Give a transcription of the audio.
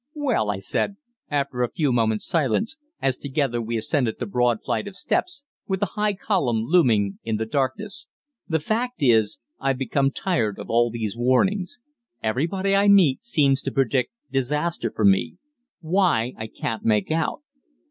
"Well," I said, after a few moments' silence, as together we ascended the broad flight of steps, with the high column looming in the darkness, "the fact is, I've become tired of all these warnings. Everybody I meet seems to predict disaster for me. Why, I can't make out."